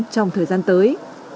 trong thời gian tới